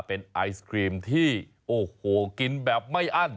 เป็นไอศครีมที่โอ้โหกินแบบไม่อั้น